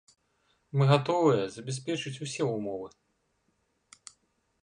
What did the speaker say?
Мы гатовыя забяспечыць усе ўмовы.